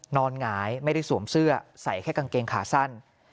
หงายไม่ได้สวมเสื้อใส่แค่กางเกงขาสั้น